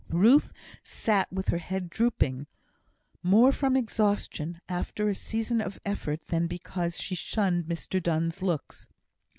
Ruth sat with her head drooping, more from exhaustion after a season of effort than because she shunned Mr Donne's looks.